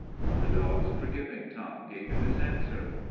The dog's forgiving tongue gave him his answer.